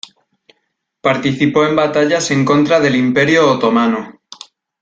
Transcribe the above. Participó en batallas en contra del Imperio Otomano.